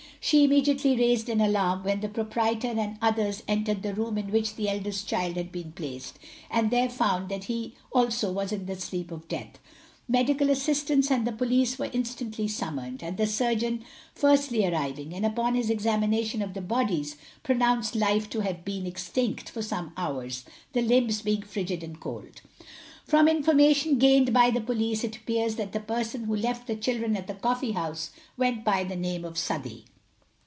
She immediately raised an alarm, when the proprietor and others entered the room in which the eldest child had been placed, and there found that he also was in the sleep of death. Medical assistance and the police were instantly summoned, the surgeon firstly arriving, and upon his examination of the bodies, pronounced life to have been extinct for some hours, the limbs being rigid and cold. From information gained by the police, it appears that the person who left the children at the coffee house went by the name of Southey.